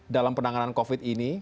dalam penanganan covid ini